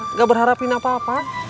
nggak berharapin apa apa